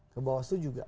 ke bawah itu juga